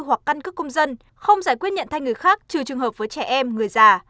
hoặc căn cứ công dân không giải quyết nhận thay người khác trừ trường hợp với trẻ em người già